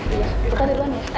kita duluan ya